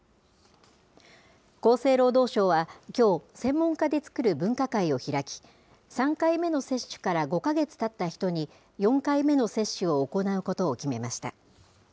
厚生労働省は、きょう、専門家で作る分科会を開き、３回目の接種から５か月たった人に、４回目の接種を行うことを決めました。